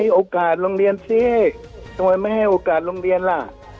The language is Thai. โอกาสโรงเรียนสิทำไมไม่ให้โอกาสโรงเรียนล่ะ